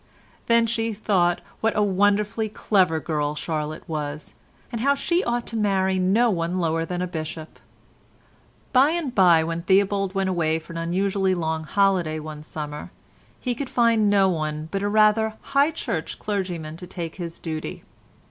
Then she thought what a wonderfully clever girl Charlotte was, and how she ought to marry no one lower than a bishop. By and by when Theobald went away for an unusually long holiday one summer, he could find no one but a rather high church clergyman to take his duty.